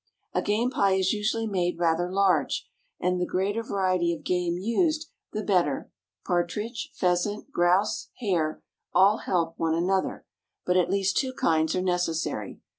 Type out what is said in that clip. A game pie is usually made rather large, and the greater variety of game used, the better; partridge, pheasant, grouse, hare, all help one another, but at least two kinds are necessary.